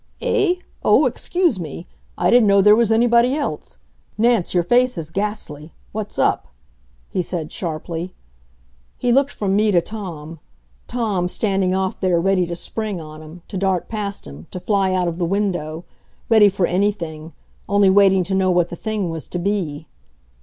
"Eh? Oh! Excuse me. I didn't know there was anybody else. Nance, your face is ghastly. What's up?" he said sharply. He looked from me to Tom Tom, standing off there ready to spring on him, to dart past him, to fly out of the window ready for anything; only waiting to know what the thing was to be.